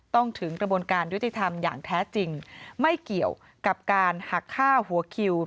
ถึงกระบวนการยุติธรรมอย่างแท้จริงไม่เกี่ยวกับการหักฆ่าหัวคิว